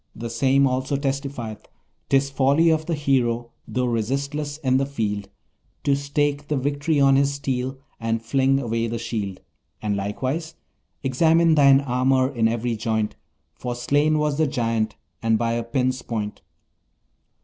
The same also testifieth: "'Tis folly of the hero, though resistless in the field, To stake the victory on his steel, and fling away the shield." And likewise: "Examine thine armour in every joint, For slain was the Giant, and by a pin's point."